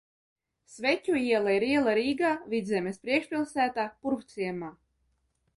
Sveķu iela ir iela Rīgā, Vidzemes priekšpilsētā, Purvciemā.